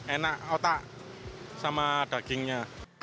enak otak sama dagingnya